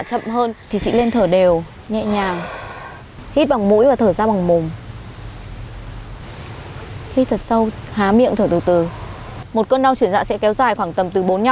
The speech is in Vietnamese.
chị đừng có la nữa